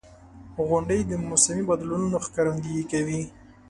• غونډۍ د موسمي بدلونونو ښکارندویي کوي.